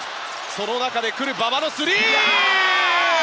その中で来る馬場のスリー！